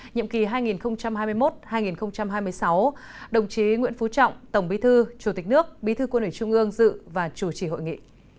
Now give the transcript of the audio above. nhiệm kỳ hai nghìn hai mươi một hai nghìn hai mươi sáu đồng chí nguyễn phú trọng tổng bí thư chủ tịch nước bí thư quân ủy trung ương dự và chủ trì hội nghị